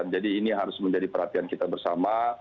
jadi ini harus menjadi perhatian kita bersama